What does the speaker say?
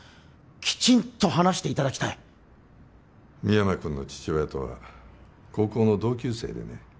きちんと話していただきたい深山君の父親とは高校の同級生でね